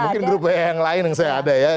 mungkin grup wa yang lain yang saya ada ya